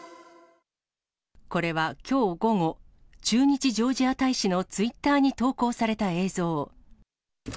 これはきょう午後、駐日ジョージア大使のツイッターに投稿された映像。